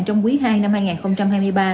trong quý hai năm hai nghìn hai mươi ba